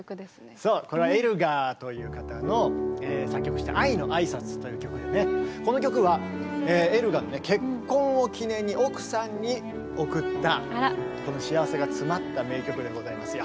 そうこれはエルガーという方の作曲した「愛のあいさつ」という曲でねこの曲はエルガーの結婚を記念に奥さんに贈った幸せがつまった名曲でございますよ。